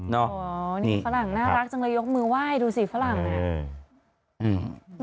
อ๋อนี่ฝรั่งน่ารักจังเลยยกมือไหว้ดูสิฝรั่งน่ะอืม